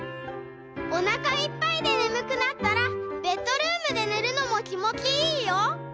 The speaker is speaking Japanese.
「おなかいっぱいでねむくなったらベッドルームでねるのもきもちいいよ。